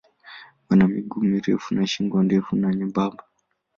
Wana miguu mirefu na shingo ndefu na nyembamba.